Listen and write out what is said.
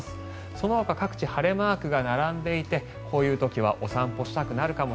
そのほか各地、晴れマークが並んでいてこういう時はお散歩したくなるかも。